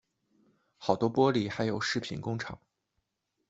好多玻璃还有饰品工厂